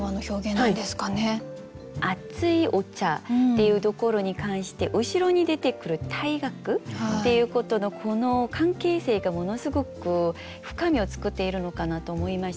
「熱いお茶」っていうところに関して後ろに出てくる「退学」っていうことのこの関係性がものすごく深みを作っているのかなと思いまして。